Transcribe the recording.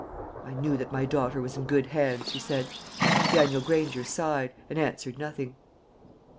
"I knew that my daughter was in good hands," he said. Daniel Granger signed, and answered nothing.